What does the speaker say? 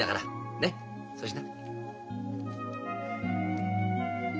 ねそうしな。